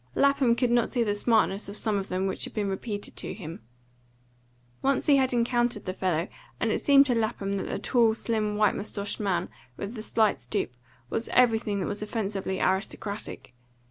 Lapham could not see the smartness of some of them which had been repeated to him. Once he had encountered the fellow, and it seemed to Lapham that the tall, slim, white moustached man, with the slight stoop, was everything that was offensively aristocratic.